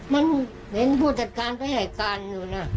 มันเห็นผู้จัดการไปให้การอยู่นะ